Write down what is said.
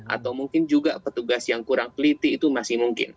atau mungkin juga petugas yang kurang teliti itu masih mungkin